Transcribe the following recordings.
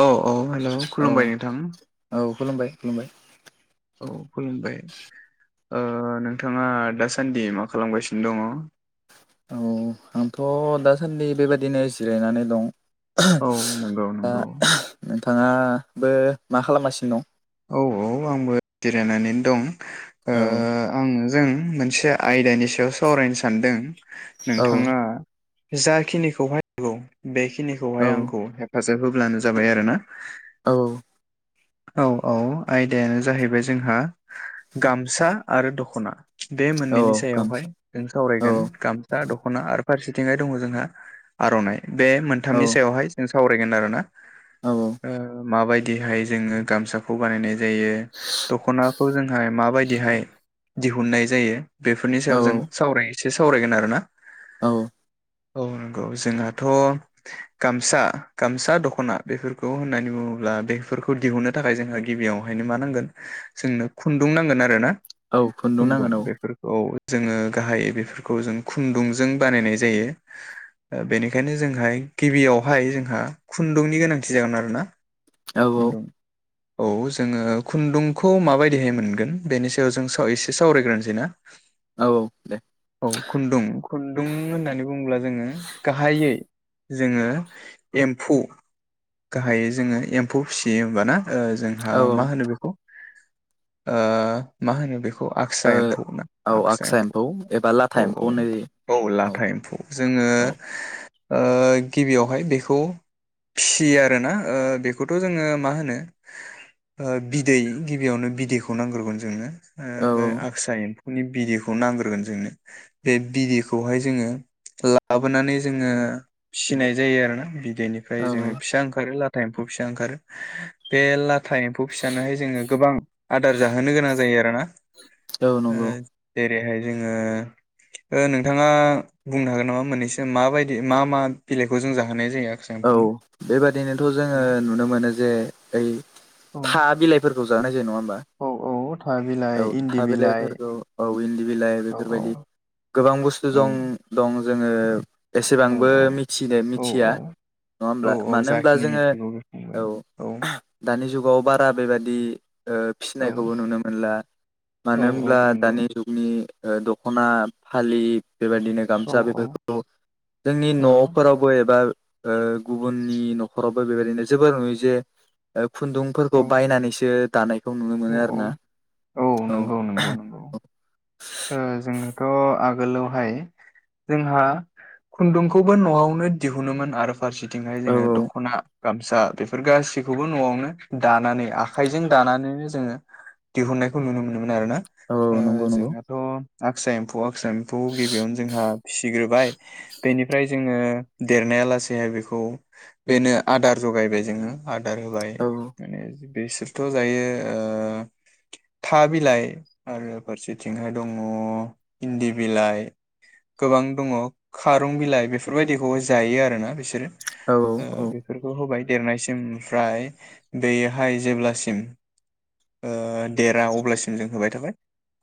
औ औ हेल' औ खुलुमबाय नोंथां । औ खुलुमबाय खुलुमबाय । औ खुलुमबाय। ओ नोंथाङा दासान्दि मा खालामगासिनो दङ? अ आंथ' दासान्दि बेबायदिनो जिरायनानै दं। औ नंगौ दा नंगौ। नोंथाङाबो मा खालामगासिनो दं? औ औ आंबो जिरायनानैनो दं ओ दं आङो ज जों मोनसे आयदानि सायाव सावरायनो सानदों औ नोंथाङा जाखिनिखौहाय गौ औ बेखिनिखौहाय आंखौ हेफाजाब होब्लानो जाबाय आरो ना औ औ औ आयदायानो जाहैबाय जोंहा गामसा आरो दख'ना। बे औ मोननैनि सायावहाय गामसा जों औ सावरायगोन गामसा दख'ना आरोब फारसेथिंहाय दङ जोंहा आर'नाइ बे औ मोनथामनि सायावहाय जों सावरायगोन आरोना औ अ ओ माबायदिहाय जोङो गामसाखौ बानायनाय जायो दखनाखौ जोंहाय माबायदि दिहाय दिहुननाय जायो बेफोरनि औ सायाव जों सावराय एसे सावरायगोन आरोना औ औ नंगौ जोंहाथ' गामसा गामसा दख'ना बेफोरखौ होननानै बुङो। अब्ला बेफोरखौ दिहुननो थाखाय जोंहा गिबियावहायनो मा नांगोन जोंनो खुन्दुं नांगोन आरो ना औ खुन्दुं नांगोन औ बेफोरखौ औ जोङो गाहायै बेफोरखौ जों खुन्दुंजों बानायनाय जायो। ओ बेनिखायनो जोंहाय गिबियावहाय जोंहा खुन्दुंनि गोनांथि जागोन आरोना औ औ खुन्दुं औ जोङो खुन्दुंखौ माबायदिहाय मोनगोन बेनि सायाव जों सावराय एसे सावरायग्रोनोसै ना? औऔ औ खुन्दुं खुन्दुं होननानै बुङोब्ला जोङो गाहायै जोङो एम्फु गाहायै जोङो एम्फौ फिसियो होमबा ना? ओ जोंहा औ औ मा होनो बेखौ ओ मा होनो बेख खौ आक्सा ओ एम्फौ ना औ आखसा आक्सा एबा लाथा एम्फौ औ एम्फौ होननाय जायो औ औ लाथा एम्फौ जोङो औ ओ‌ गिबियावहाय बेखौ फिसियो आरो ना ओ बेख खौथ' जोङो मा होनो ओ बिदै गिबियावनो बिदैखौ नांग्रोगोन जोंनो। ओ औ बे आगसा एम्फ फौनि बिदैखौ नांग्रोगोन जोंनो बे बिदैखौहाय जोङो ओ लाबोनानै जोङो फिसिनाय जायो आरोना बिद बेनिफ्राय औ जोङो फिसा ओंखारो लाथा एम्फौ फिसा ओंखारो बे लाथ था एम्फौ फिसानोहाय जोङो गोबां आदार जाहोनो गोनां जायो आरोना औ नंगौ। रैहाय जोङो ओ नोंथाङा बुंनो हागोन नामा मोननैसो माबायदि मा मा बिलाइखौ जों जाहोनाय जायो आक्सा औ एम्फौनो? बेबादिनोथ' जोङो नुनो मोनो जे ओइ औ था बिलाइफोरखौ जाहोनाय जायो नङा होनबा औ औ था औ बिलाइ इन्दि था बिलाइ बिलाइफोरखौ औ उ इन्दि बिलाइ औ बेफोरबायदि गोबां बुस्थु औ जं दं जोङो औ एसेबांबो मिथिनो औ मिथिया औ नङा औ होमब्ला औ मानो होमब्ला जाखिनि जोङो मिथिगौ बुंबाय औ दानि जुगाव बारा बेबादि ओ औ फिसिनायखौबो नुनो मोनला मानो औ औ होनब्ला नंगौ दानि जुगनि ओ दख'ना फालि बेबादिनो औ गामसा औ बेफोरखौ जोंनि न'फोरावबो एबा ओ गुबुननि न'खरावबो बेबादिनो जोबोर नुयो जे ओब खुन्दुंफोरखौ औ बायनानैसो दानाय खौ नुनो औ मोनो आरो ना औ नंगौ नंगौ नंगौ अ ओ जोंनाथ' आग गोलावहाय जोंहा खुन्दुंखौबो नआवनो दिहुनोमोन आरो फारसेथिंहाय औ जोङो दख'ना गामसा बेफोर गासिखौबो नआवनो दानानै आखाइजों दानानैनो जोङो दिहुनायखौ नुनो मोनोमोन आरोना औ ओ औ नंगौ नंगौ जोंनाथ आगसा एम्फौ आ एम्फौ गिबियावनो जोंहा फिसिग्रोबाय बेनिफ्राय जोङो देरनाया लासेैहाय बेखौ बेनो आदार जगायबाय जोङो आदार होबाय औ माने बिसोरथ जायो ओ था बिलाइ आरो फारसेथिंहाय दङ इन्दि बिलाइ। गोबां दङ खारं बिलाइ बेफोरबायदिखौ जायो आरोना बिसोरो। औ ओ बेफोरखौ होबाय। देरनायसिम ओमफ्राय बेयोहाय जेब्लासिम ओ देरा अब्लासिम जों होबाय थाबाय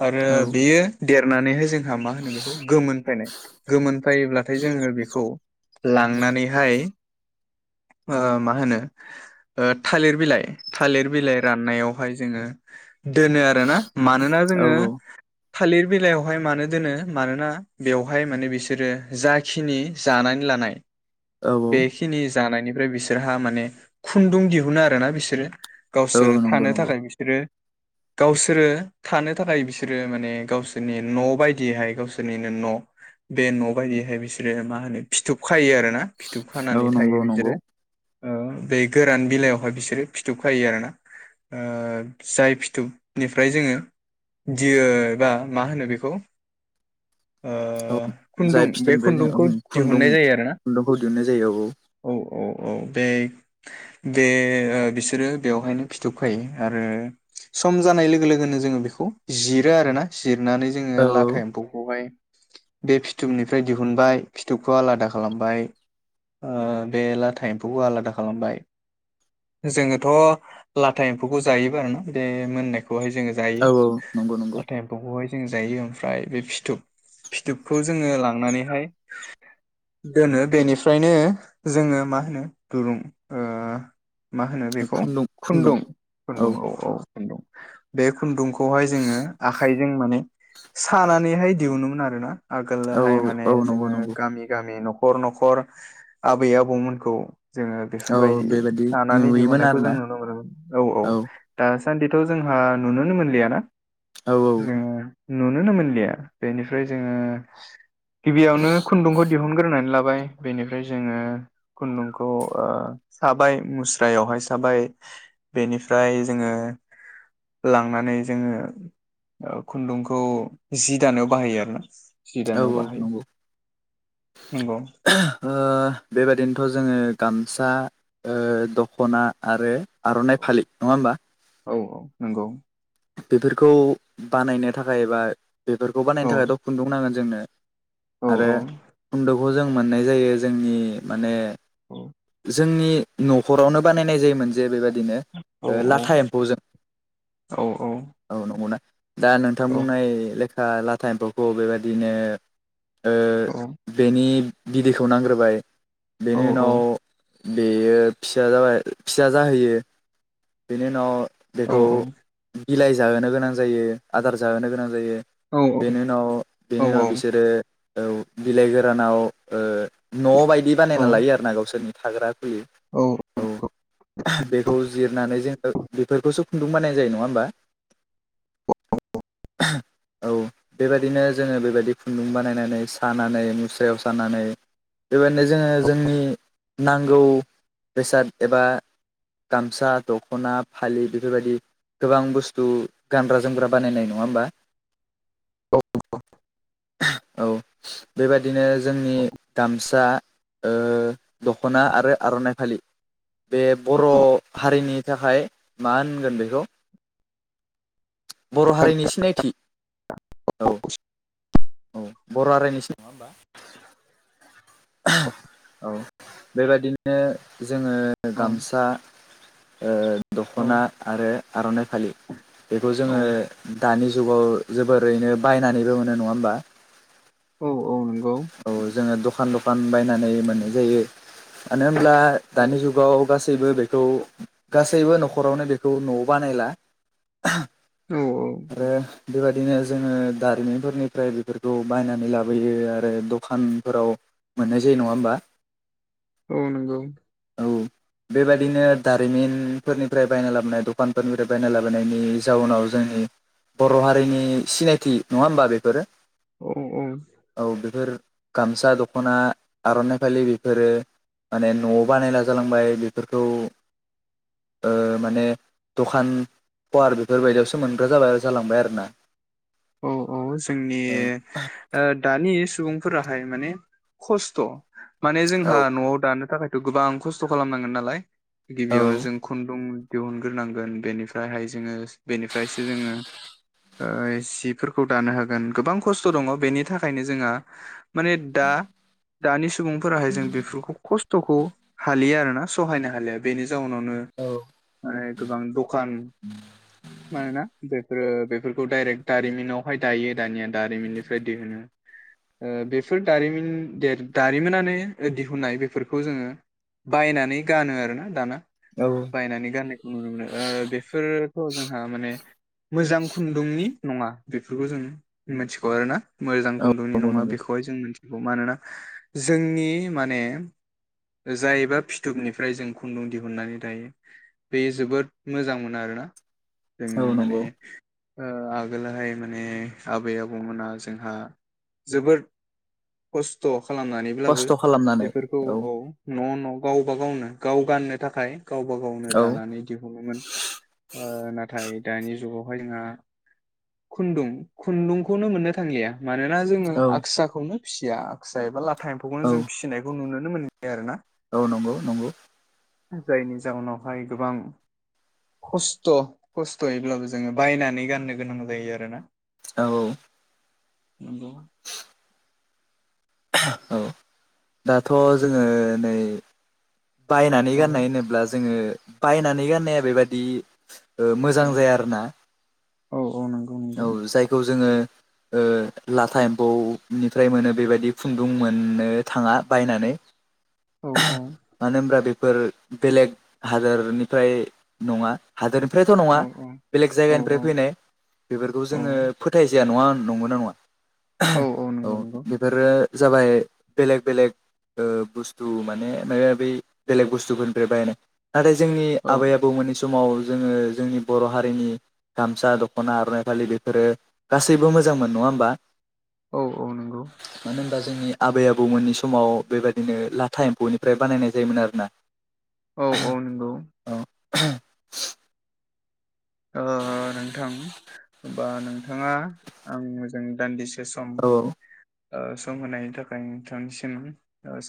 आरो औ बेयो देरनानैहाय जों जोंहा मा होनो बेखौ गोमोनफायनाय गोमोनफायोब्लाथाय जोङो बेखौ लांनानैहाय मा होनो ओ थालिर बिलाइ थालिर बिलाइ राननायाव बेहाय जोङो दोनो आरोना मानोना जोङो थालिर बिलायावहाय मानो दोनो मानोना बेवहाय माने बिसोरो जाखिनि जानानै लानाय औ बेखिनि जानायनिफ्राय बिसोरहा माने खुन्दुं दिहुनो आरोना बिसोरो औ गावसोरो नंगौ थानो नंगौ थाखाय बिसोरो गावसोरो थानो थाखाय बिसोरो माने गावसोरनि न बायदियैहाय गावसोरनिनो न बे न बायदियहाय बिसोरो मा होनो फिथोब खायो आरो ना फिथुब औ खानानै थायो नंगौ बिसोरो नंगौ ओ बे गोरान बिलाइयावहाय बिसोरो फिथोब खायो आरो ना? ओ जाय फिथोबनिफ्राय जोङो दियो बा मा होनो बेखौ ओ औ खुन्दुं जाय बे फिथोबनिफ्राय जों उम खुन्दुंखौ खुन्दुं दिहुननाय जायो आरो ना खुन्दुंखौ दिहुननाय जायो औ औ औ औ बे बे ओ बिसोरो बेवहायनो फिथोब आरो सम जानाय लोगो लोगोनो जों बेखौ जिरो आरोना जि नानै जोङो औ औ लाथा एम्फौखौहाय बे फिथोबनिफ्राय दिहुनबाय फिथुबखौ आलादा खालामबाय। ओ बे लाथा एम्फौखौ आलादा खालामबाय जोङोथ' लाथा एम्फौखौ जायोबा आरो ना बे मोननायखौहाय जोङो जायो औ औ नंगौ नंगौ लाथा एम्फौखौहाय जों जायो ओमफ्राय बे फिथुब फिथुबखौ जोङो लांनानैहाय दोनो बेनिफ्रायनो जोङो मा होनो दुरुं ओ मा होनो बेखौ खुन्दुं खुन्दुं औ औ खुन्दुं बे खुन्दुंखौ हाय जोङो आखाइजों माने सानानैहाय दिहुनोमोन आरो ना। औ आगोलहाय माने औ नंगौ जोङो नंगौ गामि गामि नखर नखर आबै आबौमोनखौ जोङो औ बेफोरबायदि बेबायदि दानानै नुयोमोन दिहुननायखौ जों आरोना नु औ नों ओ औ दासान्दिथ जोंहा नुनोनो मोनलिया ना? औ औ नुुनोनो मोनलिया बेनिफ्राय जोङो गिबियावनो खुन्दुंखौ दिहुनग्रोनानै लाबो। सुबाबाय बेनिफ्राय जोङो खुन्दुंखौ साबाय मुस्रायावहाय साबाय बेनिफ्राय जोङो लांनानै जोङोओ खुन्दुंखौ जि दानायाव बाहायो आरोना? जि औ दानायाव औ बाहायो नंगौ नंगौ बेबादिनोथ जोङो गामसाओ दखना आरो आरनाइ फालि नङा ओमबा? औ औ नंगौ। बेफोरखौ बानायनो थाखाय बा बेफोरखौ बानायनो औ थाखाय' खुन्दुं नांगोन जोंनो औ आरो औ खुन्दखौ जों मोननाय जायो जोंनि माने औ जोंनि नखरावनो बानायनाय जायोमोन जे बेबायाददि औ बिदिनो ओ लाथा एम्फौजों औ औ नंगौना दा नोंथां बुंनाय लेखा ओ लाथा एम्फौखौ बेबायदिनो ओ औ बेनि बिदैखौ नांग्रोबाय औ बेनि उनाव बेयो फिसा जाबाय फिसा जाहोयो बेनि उनाव औ बेखौ औ बिलाइ जाहोनो गोनां जायो आदार जाहोनो गोनां जायो बेनि उनाव बेनि उनाव बिसोरो औ बिलाइ गोरानाव ओ न बायदि बानायना लायो आरोना गावसोरनि थाग्रा औ बेखौ जिरनानै जोङो बेफोरखौसो खन्दुं बानाय जायो नङा होमबा अ [inaudible] औ बेबायदिनो जोङो बेबायदि खुन्दुं बानायनानै सानानै मुस्रायाव सानानै बेबादिनो जोङो जोंनि नांगौ बेसाद एबा गामसा दखना फालि बेफोरबायदि गोबां बुस स्थु गानग्रा जोमग्रा बानायनाय नङा होमबा औ बेबादिनो जोंनि गामसा ओ दखना आरो आरनाइ फालि। बे बर हारिनि थाखाय मा होनगोन बेखौ बर हारिनि सिनायथि औ औ बर रायनोसो नङा होमबा औ बेबादिनो जोङो गामसा ओ दखना आरो आरनाइ फालि बेखौ औ जोङो दानि जुगाव जोबोरैनो बायनानैबो मोनो नङा होमबा औ औ नंगौ औ जोङो दखान दखान बायनानै मोननाय जायो मानो होन ब्ला औ दानि जुागाव गासै गासैबो बेखौ गासैबो नखरावनो बेखौ नआव बानायला औ औ बेबायदिनो जोङो दारिमिनफोरनिफ्राय बेफोरखौ बायनानै लाबोयो आरो दखानफोराव मोननाय जायो नङा होमबा औ नंगौ औ बेबायदिनो दारिमिनफोरनिफ्राय बायना लाबोनाय दखानफोरनिफ्राय बायना लाबोनायनि जाउनाव जोंनि बर हारिनि सिनायथि नङा होमबा बेफोरो। औ औ औ बेफोर गामसा दखना आरनाइ फालि बेफोरो माने न'आव बानायला जालांबाय बेफोरखौ ओ माने दखान पवार बेफोरबायदियावसो मोनग्रा जाबाय आरो जालांबाय आरोना औ औ जोंनि ओ दानि सुबुं- फोराहाय माने खस्थ' माने औ जोंहा न'आव दानो थाखाय थ' गोबां खस्थ' खालामनांगोन नालाय गिबियावनो जों औ खुन्दुं दिहुनग्रोनांगोन बेनिफ्रायहाय जोङो बेनिफ्रायसो जोङो ओ- बिफोरखौ दानो हागोन गोबां खस्थ' दङ बेनि थाखायनो जोंहा माने दा दानि सुबुंफोराहाय जों बेफोरखौ खस्थ'खौ हालिया आरोना सहायनो हालिया बेनि- जावनावनो माने गोबां दखान मानोना बेफोर बेफोरखौ डाइरेक्ट दारिमिनावहाय दायो दानिया दारिमिननिफ्राय दिहुनो ओ बेफोर दारिमिन देर दारिमिनानो दिहुनाय बेफोरखौ जोङो बायनानै गानो आरोना दाना औ बायनानै गाननायखौ नुनो मोनो ओ बेफोरथ' जोंहा माने मोजां खुन्दुंनि नङा बेफोरखौ जों मिथिगौ आरोना मोजां औ खुन्दुंनि नंगौ नङा नंगौ बेखौहाय जों मिथि गौ मानोना जोंनि माने ओ जायोबा फिथुबनिफ्राय जों खुन्दुं दिहुननानै दायो बे जोबोद मोजां मोन आरोना जोंनि औ माने नंगौ ओ आ गोलहाय माने आबै आबौमोना जोंहा जोबोद खस्थ' खालामनानैब्लाबो खस्थ' खालामनानै बेफोरखौ औ न' न' गावबा गावनो गाव गाननो थाखाय गावबा गावनो औ दानानै दिहुनोमोन ओ नाथाय दानि जुगावहाय जोंहा खुन्दुं खुन्दुंखौनो मोननो थांलिया मानोना जोंङो औ आगसाखौनो फिसिया आगसा एबा लाथा एम्फौखौनो औ जों फिसिनायखौ नुनो नुनो मोनलिया आरोना औ नंगौ नंगौ जायनि जाउनावहाय गोबां खस्थ' खस्थ'यैब्लाबो जोंङो बायनानै गाननो गोनां जायो आरोना। औ औ नंगौ औ दाथ' जोंङो नै बायनानै औ गाननाय होनोब्ला जोंङो बायनानै गाननाया बेबादि ओ मोजां औ जाया आरोना औ औ नंगौ औ नंगौ जायखौ जोंङो ओ लाथा एम्फौनिफ्राय मोनो बेबायदि खुन्दुं मोननो थाङा बायनानै‌ औ मानो होनबा बे फोर बेलेग हादोरनिफ्राय नंङा हादोर फ्रायथ' औ नंङा बेलेग औ जायगानिफ्राय फैनाय बेफोरखौ औ जोंङो फोथाय जा या नङा नंगौ ना नङा औ नंगौ औ नंगौ बेफोरो जाबाय बेलेग बेलेग ओ बुस्थु माने मायबा मायबि बेलेग बुस्थुफोरनिफ्राय बायनाय नाथाय जोंनि औ आबै आबौमोननि समाव जोंङो जोंनि बर' हारिनि गामसा दख ख'ना आरनाय फालि बेफोरो गासैबो मोजां मोन नङा होमबा औ औ नंगौ दा जोंनि आबै आबौमोननि समाव बेबायदिनो लाथा एम्फौनिफ्राय बानायनाय जायोमोन आरोना। औ औ नोंगौ [unintelligible] ओ नोंथां बा नोंथाङा आं जों दान्दिसे से सम औ ओ सम होनायनि थाखाय नोंथांनिसिम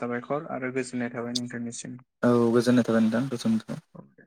साबायखर आरो गोजोननाय थाबाय नोंथांनिसिम। औ गोजोननाय थाबाय नोंथां औ दे